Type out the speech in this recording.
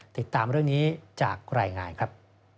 ติดตามเรื่องนี้จากรายงานครับ